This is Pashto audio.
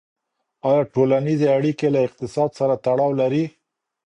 ایا ټولنیزې اړیکې له اقتصاد سره تړاو لري؟